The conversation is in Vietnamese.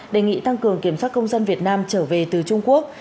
đề nghị tăng cường kiểm soát công dân việt nam trở về từ trung quốc